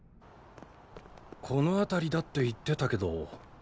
この辺りだって言ってたけど。